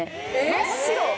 真っ白！